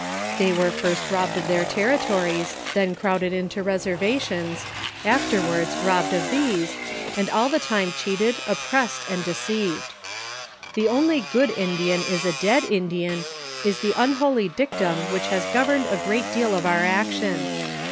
They were first robbed of their territories, then crowd ed into reservations, afterwards robbed of these, and all the time cheated, oppressed, and deceived. "The only good Ind ian is a dead Indian," is the unholy dictum which has governed a great deal of our action.